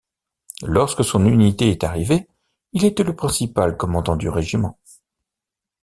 Lorsque son unité est arrivé, il était le principal commandant du régiment.